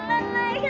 berarti sini ya